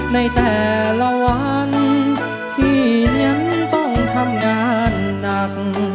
ในแต่ละวันพี่ยังต้องทำงานหนัก